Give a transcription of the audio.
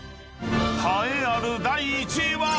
［栄えある第１位は］